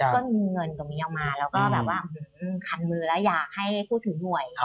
ก็มีเงินตรงนี้ออกมาแล้วก็แบบว่าคันมือแล้วอยากให้พูดถึงหวย